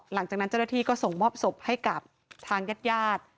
หลังจากนั้นเจ้าหน้าที่ก็ส่งมอบศพให้กับทางญาติญาติ